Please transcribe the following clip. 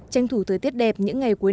tranh thủ thời tiết đẹp những ngày cuối